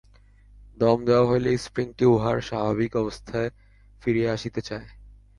দম দেওয়া হইলে স্প্রিংটি উহার স্বাভাবিক অবস্থায় ফিরিয়া আসিতে চায়।